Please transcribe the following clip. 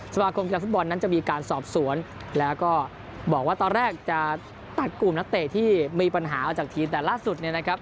สมาคมกีฬาฟุตบอลนั้นจะมีการสอบสวนแล้วก็บอกว่าตอนแรกจะตัดกลุ่มนักเตะที่มีปัญหาออกจากทีมแต่ล่าสุดเนี่ยนะครับ